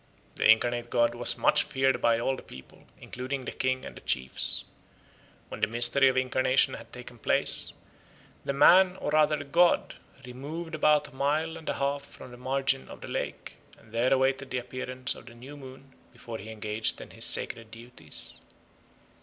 The incarnate god was much feared by all the people, including the king and the chiefs. When the mystery of incarnation had taken place, the man, or rather the god, removed about a mile and a half from the margin of the lake, and there awaited the appearance of the new moon before he engaged in his sacred duties.